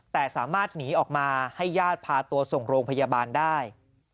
แต่สามารถหนีออกมาให้ญาติพาตัวส่งโรงพยาบาลได้